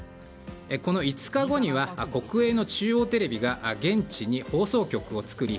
この５日後には国営の中央テレビが現地に放送局を作り